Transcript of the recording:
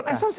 kan esok sih